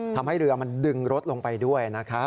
ทำให้เรือมันดึงรถลงไปด้วยนะครับ